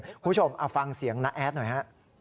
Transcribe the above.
คุณผู้ชมเอาฟังเสียงน้าแอดหน่อยฮะ